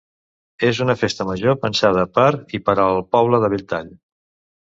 És una Festa Major pensada per i per al poble de Belltall.